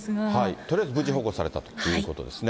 とりあえず無事保護されたということですね。